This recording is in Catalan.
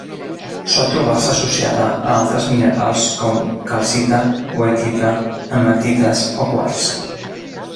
Sol trobar-se associada a altres minerals com: calcita, goethita, hematites o quars.